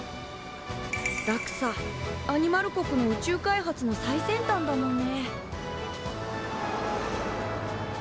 ＤＡＸＡアニマル国の宇宙開発の最先端だもんね。